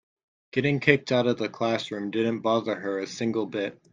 Getting kicked out of the classroom didn't bother her a single bit.